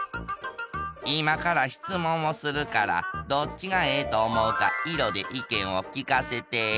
いまからしつもんをするからどっちがええとおもうか色で意見をきかせて。